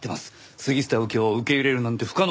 杉下右京を受け入れるなんて不可能。